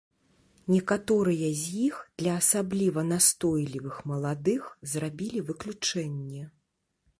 Некаторыя з іх для асабліва настойлівых маладых зрабілі выключэнне.